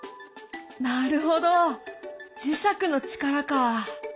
なるほど磁石の力かあ。